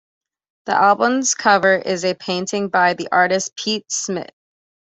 The album's cover is a painting by the artist Peter Schmidt.